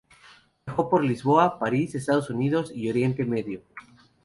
Viajó por Lisboa, París, Estados Unidos y Oriente Medio.